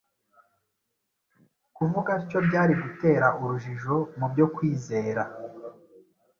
Kuvuga atyo byari gutera urujijo mu byo kwizera;